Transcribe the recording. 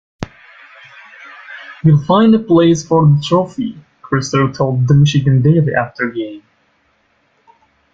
"We'll find a place for the trophy," Crisler told The Michigan Daily after game.